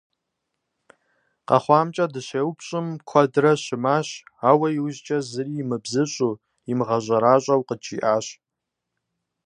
КъэхъуамкӀэ дыщеупщӀым, куэдрэ щымащ, ауэ иужькӀэ зыри имыбзыщӀу, имыгъэщӏэращӏэу къыджиӀэжащ.